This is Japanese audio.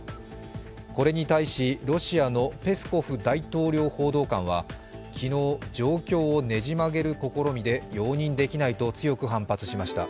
これに対し、ロシアのペスコフ大統領報道官は昨日、状況をねじ曲げる試みで容認できないと反発しました。